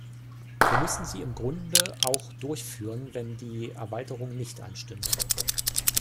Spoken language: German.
Wir müssten sie im Grunde auch durchführen, wenn die Erweiterung nicht anstünde.